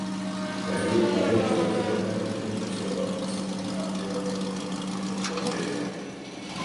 پہلے باہر جا تے ہیں پھر بچے واپس نہیں آتے اور وہیں رہ جاتے ہیں